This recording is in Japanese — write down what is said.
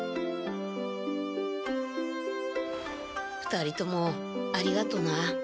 ２人ともありがとな。